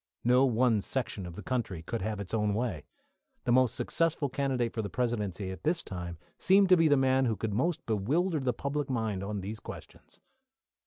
No one section of the country could have its own way. The most successful candidate for the Presidency at this time seemed to be the man who could most bewilder the public mind on these questions.